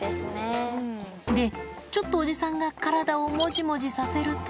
で、ちょっとおじさんが体をもじもじさせると。